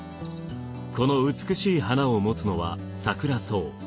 この美しい花を持つのはサクラソウ。